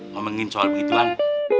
ngomongin soal begitulah bu